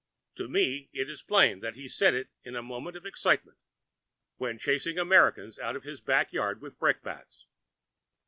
To me it is plain that he said it in a moment of excitement, when chasing Americans out of his back yard with brickbats.